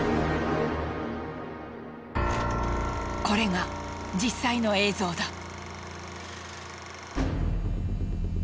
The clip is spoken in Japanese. これが実際の映像だ。